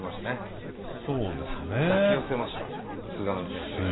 抱き寄せました菅波先生が。